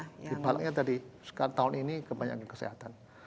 the bulknya tadi sekanat tahun ini kebanyakan kesehatan